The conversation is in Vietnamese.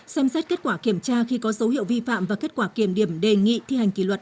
xem xét kết quả kiểm tra khi có dấu hiệu vi phạm và kết quả kiểm điểm đề nghị thi hành kỷ luật